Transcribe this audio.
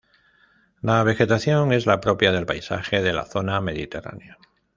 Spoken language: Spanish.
La vegetación es la propia del paisaje de la zona mediterránea.